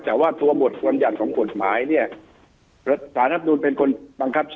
แต่ว่าตัวบทธวรรมน์ใหญ่ของคฎหมายเนี้ยสถานนับหนุนเป็นคนบังคับ